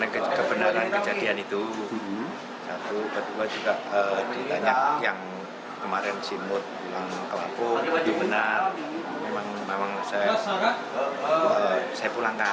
karena itu kan juga anjuran di punele